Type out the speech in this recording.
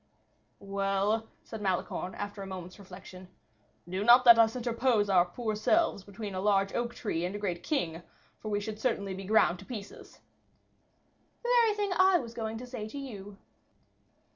"Well," said Malicorne, after a moment's reflection, "do not let us interpose our poor selves between a large oak tree and a great king, for we should certainly be ground to pieces." "The very thing I was going to say to you."